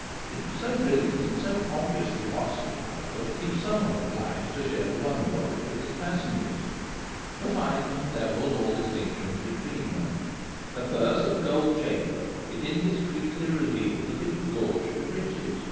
It was so brilliant and so obviously costly, however, that he was somehow obliged to share the wonder of it with his passengers. The find levelled all distinctions between them. A purse of gold chain work, it indiscreetly revealed that it was gorged with riches.